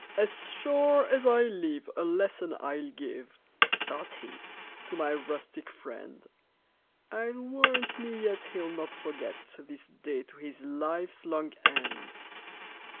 "As sure as I live, a lesson I'll give," Thought he, "to my rustic friend. I'll warrant me yet he'll not forget This day to his life's long end."